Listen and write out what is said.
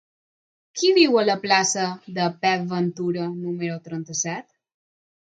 Qui viu a la plaça de Pep Ventura número trenta-set?